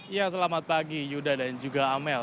ya selamat pagi yuda dan juga amel